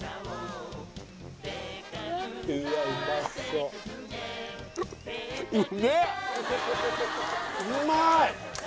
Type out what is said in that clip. うまい！